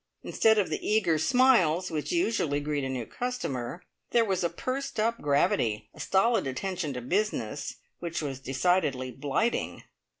Instead of the eager smiles which usually greet a new customer, there was a pursed up gravity, a stolid attention to business, which was decidedly blighting.